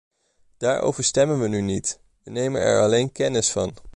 Daarover stemmen we nu niet, we nemen er alleen kennis van.